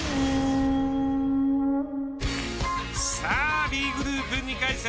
さあＢグループ２回戦。